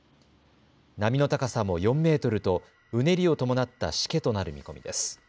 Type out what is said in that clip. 波の高さも４メートルとうねりを伴ったしけとなる見込みです。